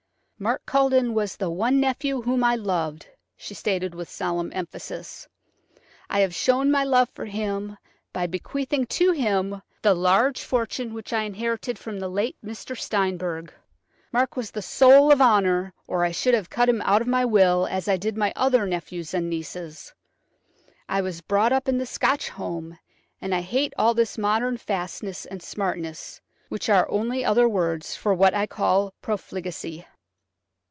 "Mark Culledon was the one nephew whom I loved," she stated with solemn emphasis. "I have shown my love for him by bequeathing to him the large fortune which I inherited from the late Mr. Steinberg. Mark was the soul of honour, or I should have cut him out of my will as I did my other nephews and nieces. I was brought up in a Scotch home, and I hate all this modern fastness and smartness, which are only other words for what I call profligacy."